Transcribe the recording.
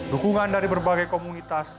dukungan dari berbagai komunitas